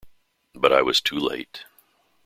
But I was too late.